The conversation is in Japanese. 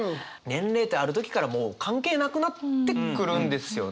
年齢ってある時からもう関係なくなってくるんですよね。